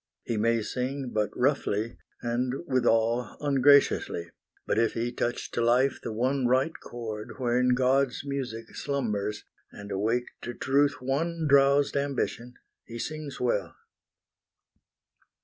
He may sing But roughly, and withal ungraciously; But if he touch to life the one right chord Wherein God's music slumbers, and awake To truth one drowsed ambition, he sings well.